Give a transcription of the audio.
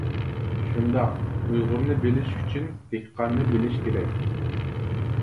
شۇنداق، ئۇيغۇرنى بىلىش ئۈچۈن دېھقاننى بىلىش كېرەك.